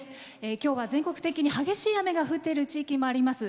今日は全国的に激しい雨が降っている地域もあります。